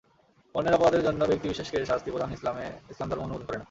অন্যের অপরাধের জন্য ব্যক্তি বিশেষকে শাস্তি প্রদান ইসলাম ধর্ম অনুমোদন করে না।